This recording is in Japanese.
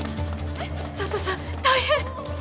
佐都さん大変！